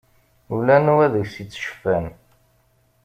Ula anwa deg-s ittceffan.